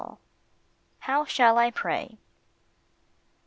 135 HOW SHALL I PRAY?